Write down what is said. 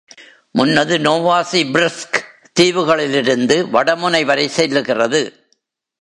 முன்னது நோவாசி பிர்ஸ்க் தீவுகளிலிருந்து வடமுனை வரை செல்லுகிறது.